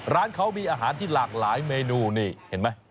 ร้านเขามีอาหารที่หลากหลายเมนูนี่เห็นไหม